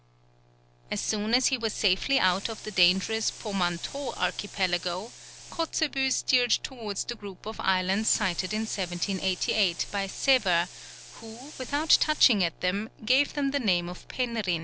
As soon as he was safely out of the dangerous Pomautou archipelago Kotzebue steered towards the group of islands sighted in 1788 by Sever, who, without touching at them, gave them the name of Penrhyn.